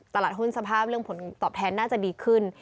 ตลาดหุ้นสภาพเรื่องผลตอบแทนน่าจะดีขึ้น